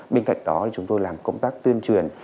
bên cạnh đó chúng tôi làm công tác tuyên truyền